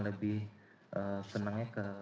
lebih senangnya ke